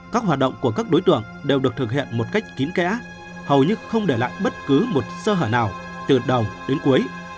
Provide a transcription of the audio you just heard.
các hoạt động của các đối tượng đều được thực hiện một cách kín kẽ hầu như không để lại bất cứ một sơ hở nào từ đầu đến cuối